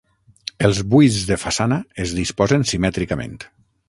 Els buits de façana es disposen simètricament.